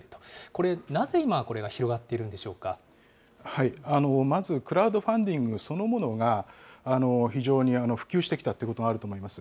これ、なぜ今、これが広がっているんでまず、クラウドファンディングそのものが非常に普及してきたということがあると思います。